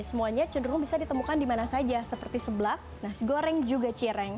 semuanya cenderung bisa ditemukan di mana saja seperti seblak nasi goreng juga cireng